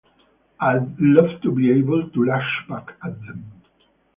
I’d love to be able to lash back at them.